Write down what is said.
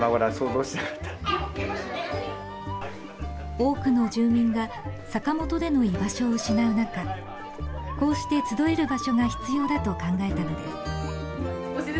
多くの住民が坂本での居場所を失う中こうして集える場所が必要だと考えたのです。